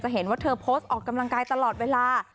เห็นว่าเธอโพสต์ออกกำลังกายตลอดเวลา